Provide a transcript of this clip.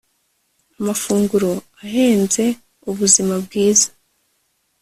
amafunguro ahenze ubuzima bwiza